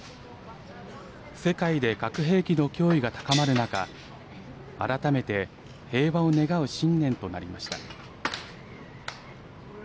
世界で核兵器の脅威が高まる中改めて平和を願う新年となりました。